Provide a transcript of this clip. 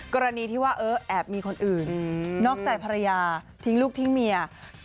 กรณีที่ว่าแอบมีคนอื่นนอกใจภรรยาทิ้งลูกทิ้งเมีย